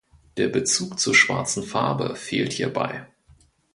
Der Bezug zur schwarzen Farbe fehlt hierbei.